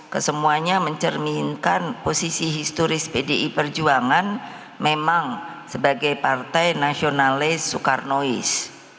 kesemuanya mencerminkan posisi historis pdi perjuangan memang sebagai partai nasionalis soekarnois